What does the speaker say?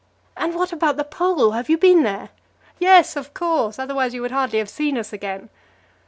"And what about the Pole? Have you been there?" "Yes, of course; otherwise you would hardly have seen us again."